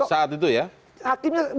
saat itu ya